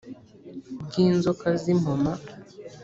bw inzoka z impoma